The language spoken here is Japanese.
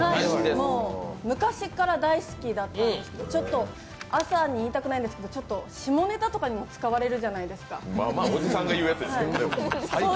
昔から大好きだったんですけど朝に言いたくないんですけど、下ネタなんかにも使われるじゃないですか。